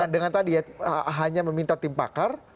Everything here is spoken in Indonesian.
dengan tadi ya hanya meminta tim pakar